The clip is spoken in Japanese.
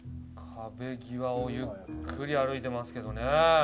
壁際をゆっくり歩いてますけどね。